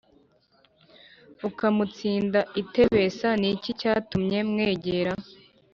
akamutsinda i tebesa ni iki cyatumye mwegera